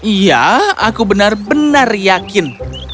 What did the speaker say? iya aku benar benar yakin